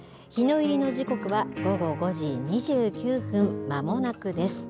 日の入りの時刻は午後５時２９分、まもなくです。